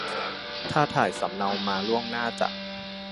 ถ้าถ่ายสำเนามาล่วงหน้าจะ